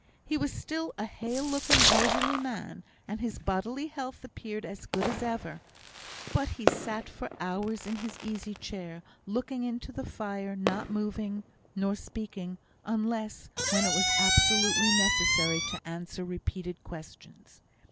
He was still a hale looking elderly man, and his bodily health appeared as good as ever; but he sat for hours in his easy chair, looking into the fire, not moving, nor speaking, unless when it was absolutely necessary to answer repeated questions.